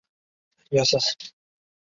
尼泊尔中华寺建有其舍利塔。